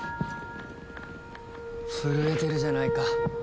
震えてるじゃないか。